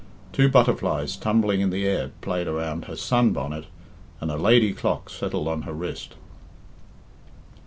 Two butterflies tumbling in the air played around her sun bonnet and a lady clock settled on her wrist.